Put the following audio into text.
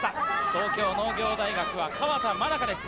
東京農業大学は川田愛佳です。